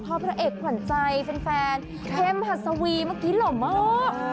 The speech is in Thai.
พ่อพระเอกขวัญใจแฟนเพมฮัตซาวีเมื่อกี้หล่มมาก